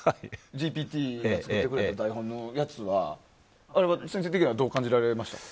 ＧＰＴが作ってくれた台本はあれは先生的にはどう感じられました？